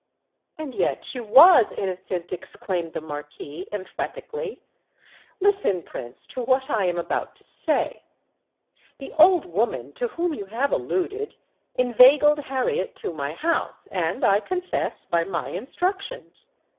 "And yet she was innocent!" exclaimed the Marquis, emphatically. "Listen, Prince, to what I am about to say. The old woman to whom you have alluded, inveigled Harriet to my house—and, I confess, by my instructions.